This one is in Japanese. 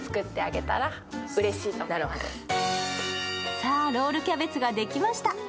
さぁ、ロールキャベツができました。